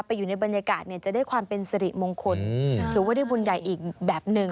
อยู่ในบรรยากาศเนี่ยจะได้ความเป็นสิริมงคลถือว่าได้บุญใหญ่อีกแบบหนึ่ง